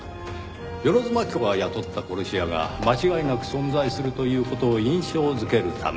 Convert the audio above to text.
万津蒔子が雇った殺し屋が間違いなく存在するという事を印象づけるため。